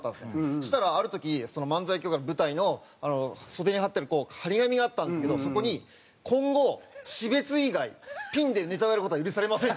そしたらある時漫才協会の舞台の袖に貼ってある貼り紙があったんですけどそこに「今後死別以外ピンでネタをやる事は許されません」